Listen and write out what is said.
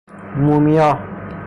مومیا